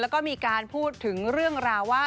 แล้วก็มีการพูดถึงเรื่องราวว่า